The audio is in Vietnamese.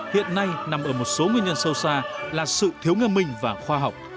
hiện nay nằm ở một số nguyên nhân sâu xa là sự thiếu nghe mình và khoa học